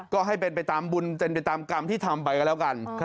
ก็ให้เป็นไปตามบุญเป็นไปตามกรรมที่ทำไปก็แล้วกัน